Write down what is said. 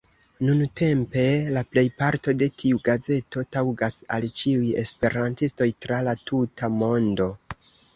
Nuntempe la plejparto de tiu gazeto taŭgas al ĉiuj esperantistoj tra la tuta mondo.